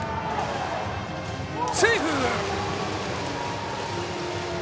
セーフ！